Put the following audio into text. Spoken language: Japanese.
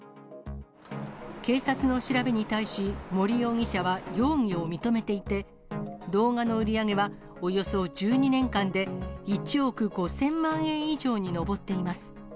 警察の調べに対し、森容疑者は容疑を認めていて、動画の売り上げはおよそ１２年間で１億５０００万円以上に上っています。